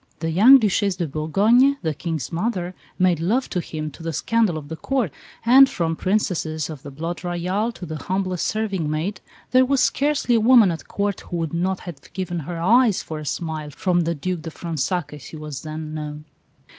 The young Duchesse de Bourgogne, the King's mother, made love to him, to the scandal of the Court; and from Princesses of the Blood Royal to the humblest serving maid, there was scarcely a woman at Court who would not have given her eyes for a smile from the Duc de Fronsac, as he was then known.